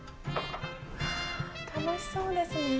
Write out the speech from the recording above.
うわ楽しそうですね。